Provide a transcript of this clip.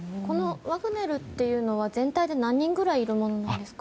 ワグネルっていうのは全体で何人ぐらいいるものなんですか？